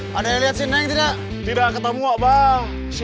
karena dia dari kasus aja